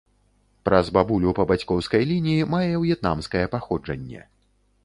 Праз бабулю па бацькоўскай лініі мае в'етнамскае паходжанне.